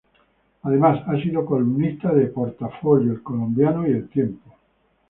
Además, ha sido columnista de Portafolio, El Colombiano y El Tiempo.